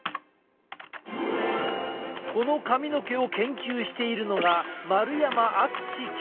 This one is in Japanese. この髪の毛を研究しているのが丸山敦教授。